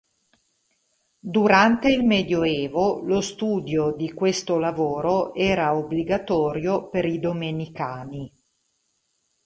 Durante il Medioevo, lo studio di questo lavoro era obbligatorio per i Domenicani.